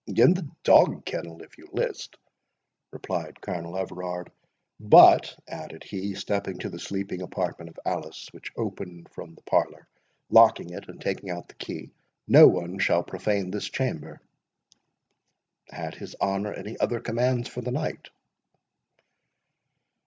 "In the dog kennel, if you list," replied Colonel Everard; "but," added he, stepping to the sleeping apartment of Alice, which opened from the parlour, locking it, and taking out the key, "no one shall profane this chamber." "Had his honour any other commands for the night?"